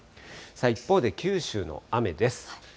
一方で、九州の雨です。